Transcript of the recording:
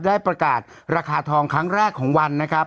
ได้ประกาศราคาทองครั้งแรกของวันนะครับ